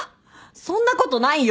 そんなことないよ。